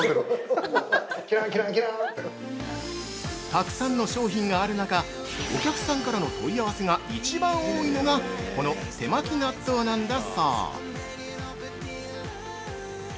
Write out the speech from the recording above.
◆たくさんの商品がある中お客さんからの問い合わせが一番多いのがこの手巻納豆なんだそう。